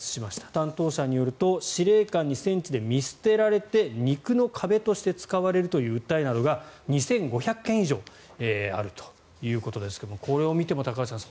担当者によると司令官に戦地で見捨てられて肉の壁として使われるという訴えなどが２５００件以上あるということですがこれを見ても高橋さん